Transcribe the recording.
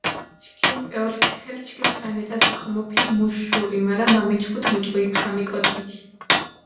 ჩქიმ პეულქ თელ ჩქიმ პლანეტას ქომოფინჷ მუშ შური, მარა მა მიჩქუდჷ მუჭო იბჰამიკო თით.